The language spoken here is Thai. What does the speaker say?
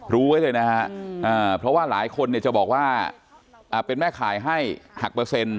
รู้ไว้เลยนะฮะเพราะว่าหลายคนเนี่ยจะบอกว่าเป็นแม่ขายให้หักเปอร์เซ็นต